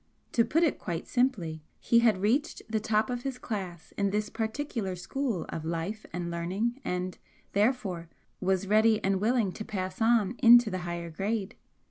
To put it quite simply, he had reached the top of his class in this particular school of life and learning and, therefore, was ready and willing to pass on into the higher grade.